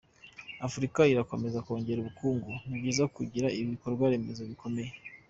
Afurika irakomeza kongera ubukungu, ni byiza kugira ibikorwaremezo bikomeye.